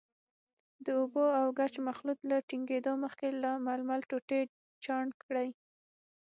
د اوبو او ګچ مخلوط له ټینګېدو مخکې له ململ ټوټې چاڼ کړئ.